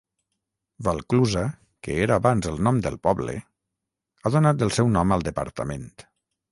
Valclusa, que era abans el nom del poble, ha donat el seu nom al departament.